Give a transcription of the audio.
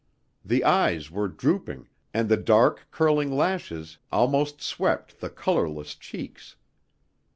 The eyes were drooping and the dark curling lashes almost swept the colourless cheeks.